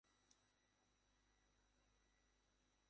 তিনি ছিলেন একজন সমাজসেবী।